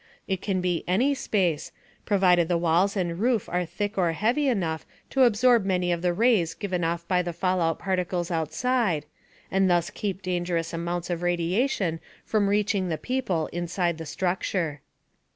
It can be any space, provided the walls and roof are thick or heavy enough to absorb many of the rays given off by the fallout particles outside, and thus keep dangerous amounts of radiation from reaching the people inside the structure.